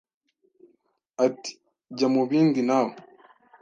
ati jya mu bindi nawe,